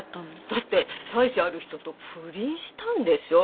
だって妻子ある人と不倫したんでしょ？